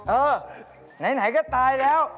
เออไหนก็ตายแล้ว